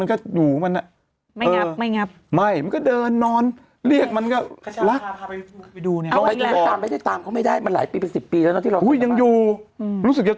มันก็อยู่มันน่ะไม่งับไม่งับไม่ก็เดินนอนเรียกมันก็รัก